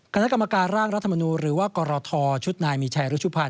คณะกรมการร่างรัฐมนูลหรือว่ากรททรร์ฉุดนายมิชาศุพร์